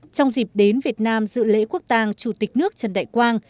trong dịp đến việt nam dự lễ quốc tàng chủ tịch nước trần đại quang